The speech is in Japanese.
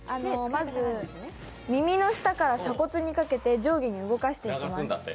まず、耳の下から鎖骨にかけて上下に動かしていきます。